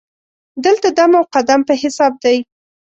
دلته دم او قدم په حساب دی.